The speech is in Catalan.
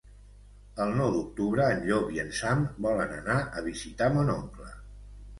El nou d'octubre en Llop i en Sam volen anar a visitar mon oncle.